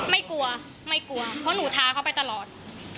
ไม่กลัวไม่กลัวเพราะหนูทาเขาไปตลอด